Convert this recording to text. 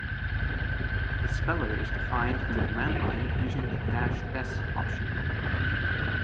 The speller is defined from the command line using the -s option.